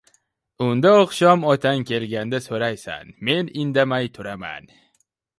Unda oqshom otang kelganda so'raysan. Men indamay turaman.